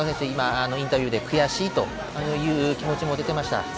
今、インタビューで悔しいという気持ちも出ていました。